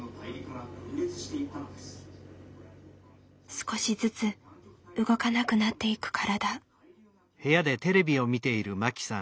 少しずつ動かなくなっていく体。